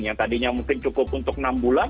yang tadinya mungkin cukup untuk enam bulan